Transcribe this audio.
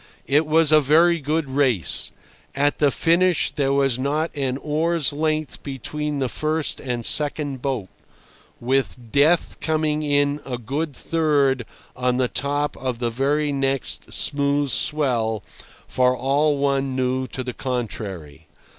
It was a very good race. At the finish there was not an oar's length between the first and second boat, with Death coming in a good third on the top of the very next smooth swell, for all one knew to the contrary.